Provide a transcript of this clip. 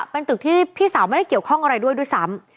เป็นตึกที่พี่สาวไม่ได้เกี่ยวข้องอะไรด้วยด้วยซ้ำ